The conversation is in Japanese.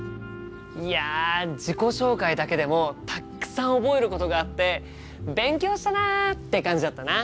いや自己紹介だけでもたくさん覚えることがあって勉強したなって感じだったな！